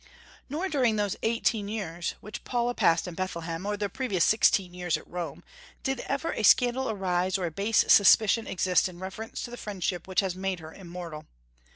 Nor during those eighteen years which Paula passed in Bethlehem, or the previous sixteen years at Rome, did ever a scandal rise or a base suspicion exist in reference to the friendship which has made her immortal.